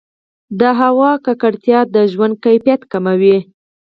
د هوا ککړتیا د ژوند کیفیت کموي.